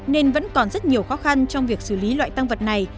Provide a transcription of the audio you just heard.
nên vẫn còn rất nhiều khó khăn trong việc xử lý loại tăng vật này